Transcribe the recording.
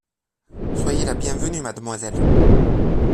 Soyez la bienvenue, mademoiselle.